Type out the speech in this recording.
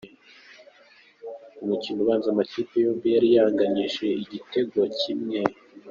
Umukino ubanza amakipe yombi yari yanganyije igitego kimwe.